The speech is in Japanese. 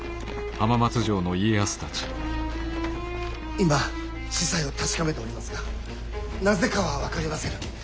今子細を確かめておりますがなぜかは分かりませぬ。